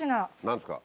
何ですか？